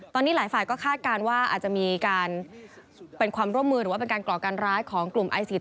ตอนนี้หลายฝ่ายก็คาดการณ์ว่าอาจจะมีการเป็นความร่วมมือหรือว่าเป็นการก่อการร้ายของกลุ่มไอซิส